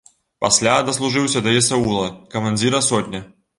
Пасля даслужыўся да есаула, камандзіра сотні.